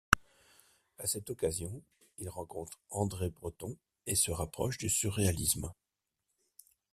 À cette occasion il rencontre André Breton et se rapproche du surréalisme.